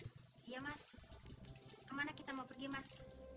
iya mas kemana kita mau pergi mas